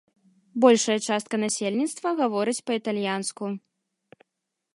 Большая частка насельніцтва гаворыць па-італьянску.